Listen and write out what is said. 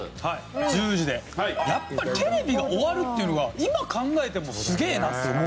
１０時でやっぱりテレビが終わるっていうのが今考えてもすげえなって思う。